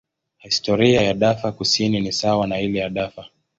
Historia ya Darfur Kusini ni sawa na ile ya Darfur.